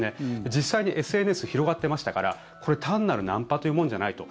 実際にＳＮＳ広がってましたからこれ、単なるナンパというものじゃないと。